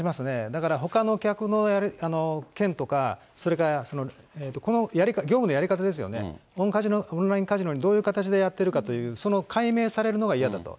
だから、ほかの客の件とか、それからこの業務のやり方ですよね、オンラインカジノにどういう形でやってるかという、その解明されるのが嫌だと。